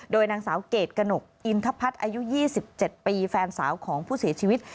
โดยนางสาวเกรดกระหนกอินทพัฒน์อายุ๒๗ปีแฟนสาวของผู้เสียชีวิต